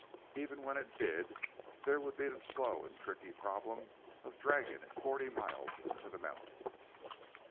Even when it did, there would be the slow and tricky problem of dragging it forty miles into the mountains.